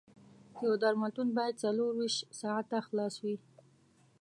یو درملتون باید څلور ویشت ساعته خلاص وي